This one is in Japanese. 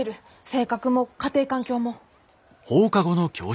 性格も家庭環境も。